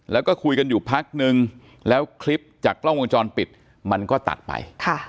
แล้วก็คุยกันอยู่พักนึงแล้วคลิปจากกล้องวงจรปิดมันก็ตัดไป